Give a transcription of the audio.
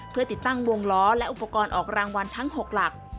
เพื่อติดตั้งวงล้อและอุปกรณ์ออกรางวัลทั้ง๖หลัก